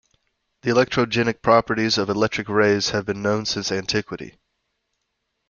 The electrogenic properties of electric rays have been known since antiquity.